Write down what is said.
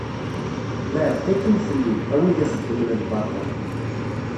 Beɛdet akkin fell-i, a wid i xeddmen lbaṭel.